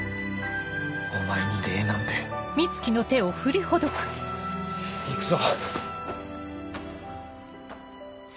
お前に礼なんて行くぞ。